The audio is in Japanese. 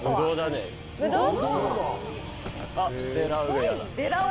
ぶどう？